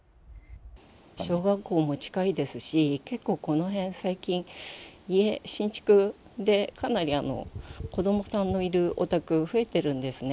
小学校も近いですし、結構、この辺、最近、家、新築でかなり子どもさんのいるお宅、増えてるんですね。